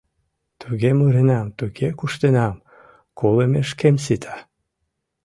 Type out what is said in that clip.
Туге муренам, туге куштенам — колымешкем сита.